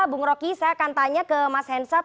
bung roky saya akan tanya ke mas hensat